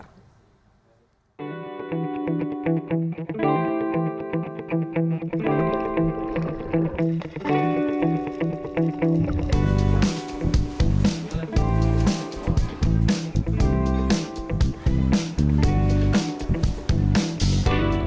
karena kita ingin memiliki makanan yang lebih enak